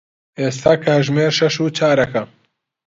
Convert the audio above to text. ئێستا کاتژمێر شەش و چارەگە.